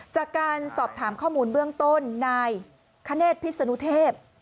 จากการสอบถามข้อมูลเบื้องต้นนายคเนธพิษนุเทพ